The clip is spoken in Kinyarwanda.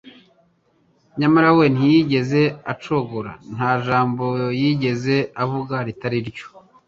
Nyamara we ntiyigeze acogora. Nta jambo yigeze avuga ritari iryo